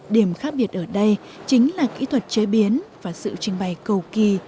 điểm khác biệt ở đây chính là kỹ thuật chế biến và sự trình bày cầu kỳ